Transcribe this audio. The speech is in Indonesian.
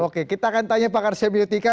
oke kita akan tanya pak karstian biotika